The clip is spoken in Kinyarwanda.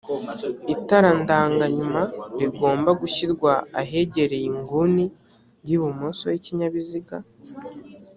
itara ndanga nyuma rigomba gushyirwa ahegereye inguni y ibumoso y ikinyabiziga